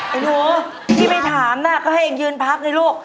โอ้โหที่ไม่ถามน่ะก็ให้เองยืนพักไงลูก